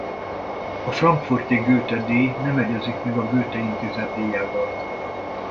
A Frankfurti Goethe-díj nem egyezik meg a Goethe Intézet díjával.